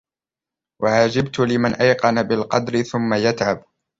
وَعَجِبْت لِمَنْ أَيْقَنَ بِالْقَدَرِ ثُمَّ يَتْعَبُ